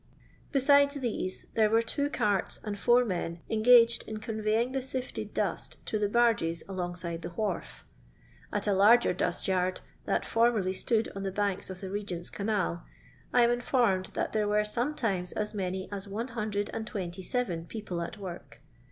Besides these there were two carts and four men engaged in conveying the sifted dust to the barges alongside the wharf. At a larger dust yard, that formerly stood on the banks of the Regent's canal, I am informed that there were sometimes as many as 127 people at work.